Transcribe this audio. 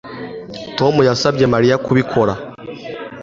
Tom yasabye Mariya kubikora